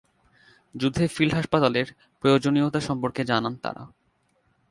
যুদ্ধে ফিল্ড হাসপাতালের প্রয়োজনীয়তা সম্পর্কে জানান তারা।